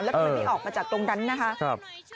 แล้วก็เลยไม่ออกมาจากตรงนั้นนะคะ